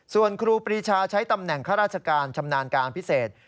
ส่วนครูปรีชาใช้ตำแหน่งข้าราชการชำนาญการพิเศษ